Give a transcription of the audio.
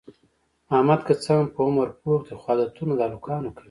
احمد که څه هم په عمر پوخ دی، خو عادتونه د هلکانو کوي.